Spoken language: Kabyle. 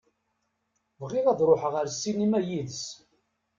Bɣiɣ ad ṛuḥeɣ ar ssinima yid-s.